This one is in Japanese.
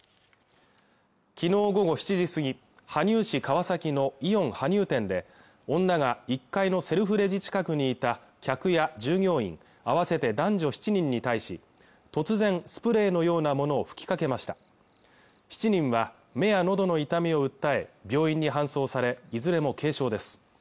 昨日午後７時過ぎ羽生市川崎のイオン羽生店で女が１階のセルフレジ近くにいた客や従業員合わせて男女７人に対し突然スプレーのようなものを吹きかけました７人は目やのどの痛みを訴え病院に搬送されいずれも軽傷です